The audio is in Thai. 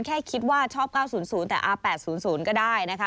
แค่คิดว่าชอบ๙๐๐แต่๘๐๐ก็ได้นะคะ